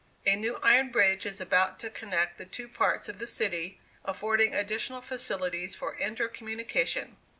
A new iron bridge is about to connect the two parts of the city, affording additional facilities for inter communication.